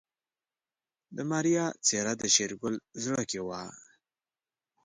د ماريا څېره د شېرګل زړه کې وه.